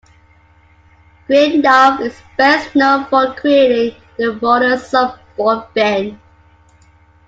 Greenough is best known for creating the modern surfboard fin.